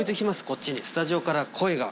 こっちにスタジオから声が。